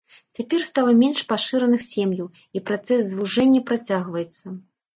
Цяпер стала менш пашыраных сем'яў, і працэс звужэння працягваецца.